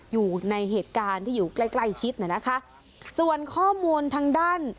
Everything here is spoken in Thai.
อยู่ในเหตุการณ์ที่อยู่ใกล้ใกล้ชิดน่ะนะคะส่วนข้อมูลทางด้าน